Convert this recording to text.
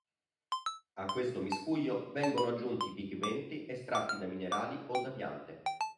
A questo miscuglio vengono aggiunti pigmenti estratti da minerali o da piante.